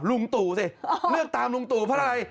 ลุงตู่สิเลือกตามลุงตู่เพราะอะไร